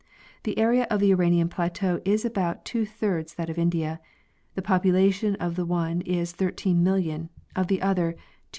The area of the Iranian plateau is about two thirds that of India; the population of the one is 138,000,000; of the other, 287,000,000.